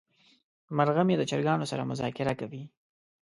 مرغه مې د چرګانو سره مذاکره کوي.